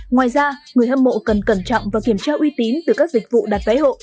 ngoài ra người hâm mộ cần cẩn trọng và kiểm tra uy tín từ các dịch vụ đặt vé hộ